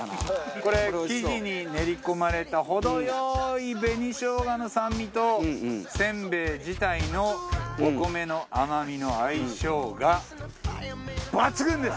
これ生地に練り込まれたほどよい紅生姜の酸味とせんべい自体のお米の甘みの相性が抜群です！